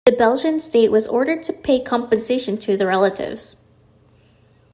The Belgian state was ordered to pay compensation to the relatives.